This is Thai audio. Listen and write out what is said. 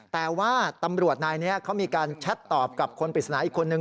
แต่ว่าตำรวจนายนี้เขามีการแชทตอบกับคนปริศนาอีกคนนึง